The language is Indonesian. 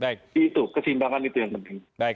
itu keseimbangan itu yang penting